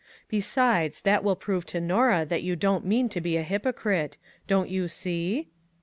Besides, that will prove to Norah that you don't mean to be a hypocrite ; don't you see